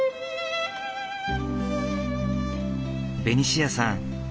ベニシアさん